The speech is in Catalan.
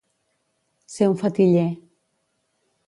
Ser un fetiller.